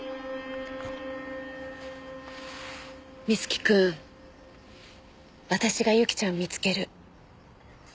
瑞貴くん私がユキちゃん見つける。